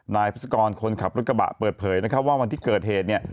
นายพิศกรคนขับรถกระบะเปิดเผยนะครับว่าวันที่เกิดเหตุเนี่ย